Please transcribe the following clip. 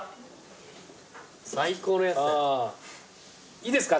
いいですか？